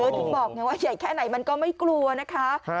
ถึงบอกไงว่าใหญ่แค่ไหนมันก็ไม่กลัวนะคะ